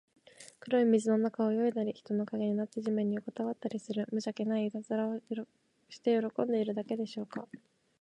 黒い水の中を泳いだり、人の影になって地面によこたわったりする、むじゃきないたずらをして喜んでいるだけでしょうか。